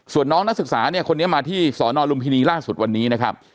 ส่วนน้องนักศึกษาเนี่ยคนนี้มาที่สอนอลุมพินีล่าสุดวันนี้นะครับ